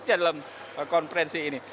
apa nilai dalam konferensi ini